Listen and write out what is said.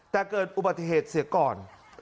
แต่เกิดอุบัติเหตุเสียก่อน